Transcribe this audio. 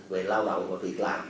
về lao động và việc làm